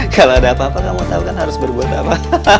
kalau ada apa apa kamu tahu kan harus berbuat apa